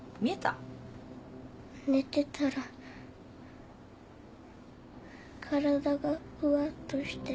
寝てたら体がフワッとして。